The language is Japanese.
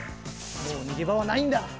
もうにげばはないんだ！